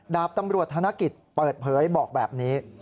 ดาบตำรวจธนกิจเปิดเผยบอกแบบนี้